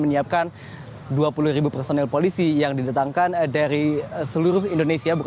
pihak kepolisian dari sabara